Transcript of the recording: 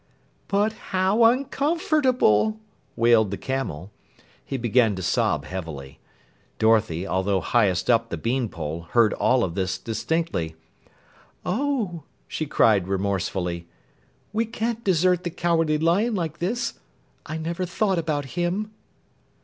"But how uncomfortable," wailed the camel. He began to sob heavily. Dorothy, although highest up the bean pole, heard all of this distinctly. "Oh," she cried remorsefully, "we can't desert the Cowardly Lion like this. I never thought about him."